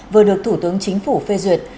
vừa được thủ tướng chính phủ phê duyệt